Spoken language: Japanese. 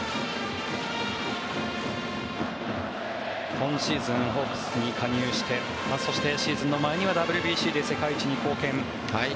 今シーズン、ホークスに加入してそしてシーズンの前にはＷＢＣで世界一に貢献。